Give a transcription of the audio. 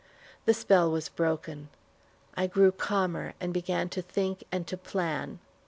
The spell was broken. I grew calmer and began to think and to plan.